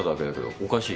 おかしい？